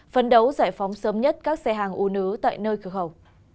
phấn đấu giải phóng sớm nhất các xe hàng u nứ tại nơi cửa khẩu